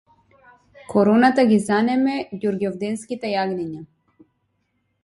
Короната ги занеме ѓурѓовденските јагниња